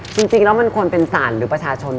จริงแล้วมันควรเป็นศาลหรือประชาชน